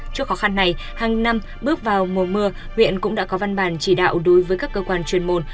trước khó khăn này hàng năm bước vào mùa mưa huyện cũng đã có văn bản chỉ đạo đối với các cơ quan chuyên môn